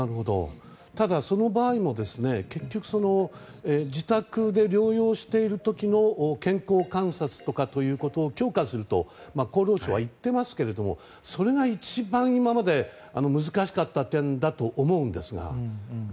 ただその場合も結局、自宅で療養している時の健康観察とかということを強化すると厚労省は言っていますけどそれが一番今まで難しかった点だと思うんですが。